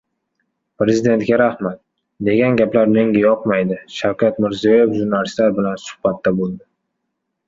«Prezidentga rahmat», degan gaplar menga yoqmaydi — Shavkat Mirziyoyev jurnalistlar bilan suhbatda bo‘ldi